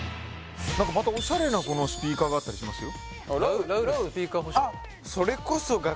何かまたおしゃれなスピーカーがあったりしますよ